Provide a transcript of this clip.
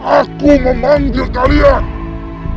aku memanggil kalian